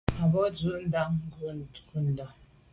A bwô ndù ndà ghù ntôndà.